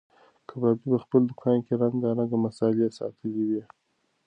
کبابي په خپل دوکان کې رنګارنګ مسالې ساتلې وې.